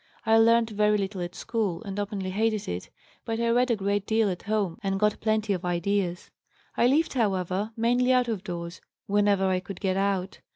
I learned very little at school, and openly hated it, but I read a great deal at home and got plenty of ideas. I lived, however, mainly out of doors whenever I could get out.